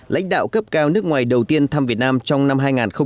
lãnh đạo cấp cao nước ngoài đầu tiên thăm việt nam trong năm hai nghìn một mươi bảy